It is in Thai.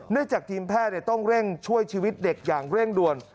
เนื่องจากทีมแพทย์ต้องช่วยชีวิตเด็กอย่างเร่งด้วย